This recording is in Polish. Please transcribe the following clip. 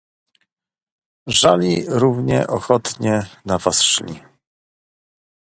"Żali równie ochotnie na was szli?"